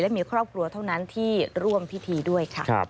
และมีครอบครัวเท่านั้นที่ร่วมพิธีด้วยค่ะ